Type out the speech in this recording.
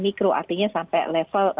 mikro artinya sampai level